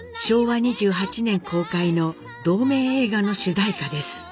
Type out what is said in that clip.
昭和２８年公開の同名映画の主題歌です。